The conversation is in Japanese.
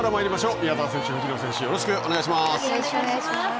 宮澤選手、藤野選手よろしくお願いします。